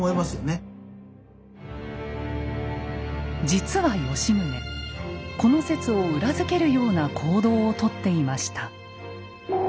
実は吉宗この説を裏付けるような行動をとっていました。